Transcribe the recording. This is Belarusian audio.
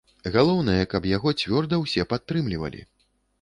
Галоўнае, каб яго цвёрда ўсе падтрымлівалі.